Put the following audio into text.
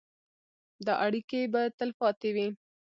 دا اړیکې به تلپاتې وي.